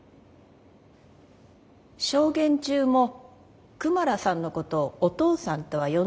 証言中もクマラさんのことを「お父さん」とは呼んでいませんね。